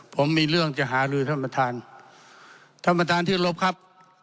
ผมมีเรื่องจะหาลือท่านประธานท่านประธานที่รบครับ